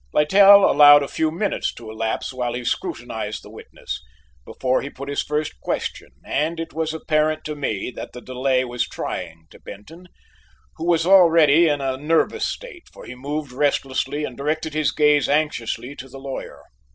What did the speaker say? Littell allowed a few minutes to elapse while he scrutinized the witness, before he put his first question, and it was apparent to me that the delay was trying to Benton, who was already in a nervous state, for he moved restlessly and directed his gaze anxiously to the lawyer.